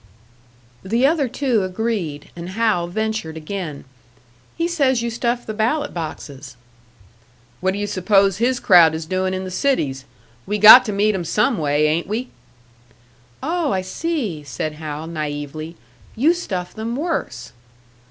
The other two agreed, and Hal ventured again, "He says you stuff the ballot boxes." "What do you suppose his crowd is doin' in the cities? We got to meet 'em some way, ain't we?" "Oh, I see," said Hal, naïvely. "You stuff them worse!"